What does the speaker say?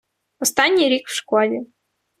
останній рік в школі